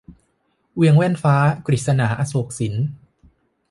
เวียงแว่นฟ้า - กฤษณา อโศกสิน